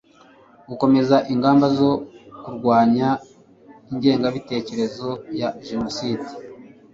gukomeza ingamba zo kurwanya ingengabitekerezo ya jenoside